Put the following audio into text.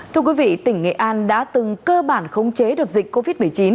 thưa quý vị tỉnh nghệ an đã từng cơ bản khống chế được dịch covid một mươi chín